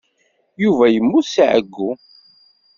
Yuba yemmut seg ɛeyyu.